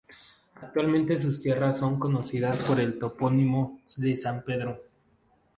Actualmente sus tierras son conocidas con el topónimo de "San Pedro".